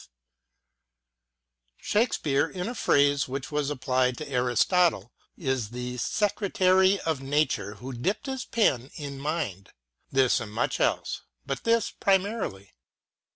Shake speare, in a phrase which was applied to Aristotle, is the " secretary of Nature who dipped his pen in mind ": this and much else, but this primarily.